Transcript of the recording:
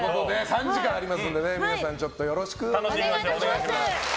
３時間ありますので皆さんよろしくお願いします。